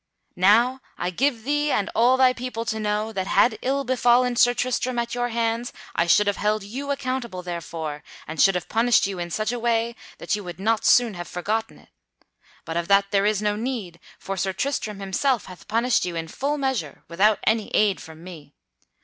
Now I give thee and all thy people to know that had ill befallen Sir Tristram at your hands I should have held you accountable therefor and should have punished you in such a way that you would not soon have forgotten it. But of that there is no need, for Sir Tristram himself hath punished you in full measure without any aid from me.